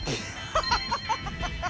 ハハハハ！